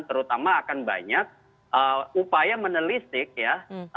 terutama akan banyak upaya menelisik ya